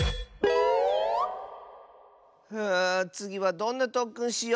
ふうつぎはどんなとっくんしようか？